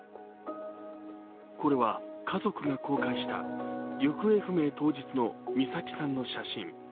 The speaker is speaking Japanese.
これは家族が公開した行方不明当日の美咲さんの写真。